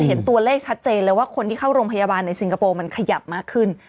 เห็นตัวเลขชัดเจนเลยว่าคนที่เข้าโรงพยาบาลในสิงคโปร์มันขยับมากขึ้น